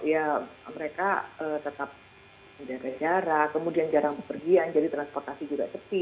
ya mereka tetap menjaga jarak kemudian jarang berpergian jadi transportasi juga sepi